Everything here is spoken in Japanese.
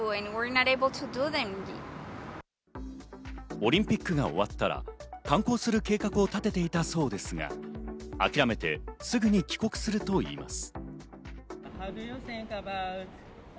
オリンピックが終わったら観光する計画を立てていたそうですが、諦めてすぐに帰国するといいます。